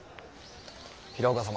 平岡様。